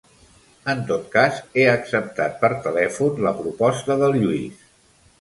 En tot cas, he acceptat per telèfon la proposta del Lluís.